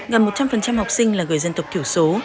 gần một trăm linh học sinh là người dân tộc thiểu số